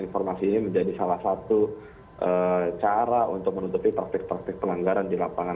informasi ini menjadi salah satu cara untuk menutupi praktik praktik pelanggaran di lapangan